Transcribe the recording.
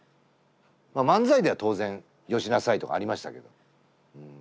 漫才では当然「よしなさい」とかありましたけど。